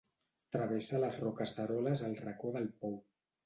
Travessa les Roques d'Eroles al Racó del Pou.